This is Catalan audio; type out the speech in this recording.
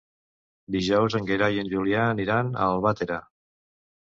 Dijous en Gerai i en Julià aniran a Albatera.